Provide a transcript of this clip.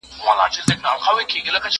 له بدو څخه ښه زېږي، له ښو څخه واښه.